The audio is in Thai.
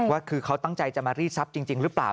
ว่าคือเขาตั้งใจจะมารีดทรัพย์จริงหรือเปล่า